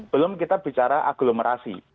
belum kita bicara aglomerasi